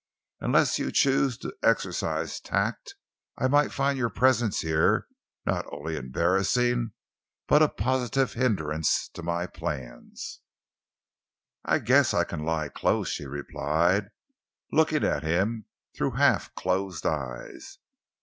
Unless you choose to exercise tact, I might find your presence here not only embarrassing but a positive hindrance to my plans." "I guess I can lie close," she replied, looking at him through half closed eyes.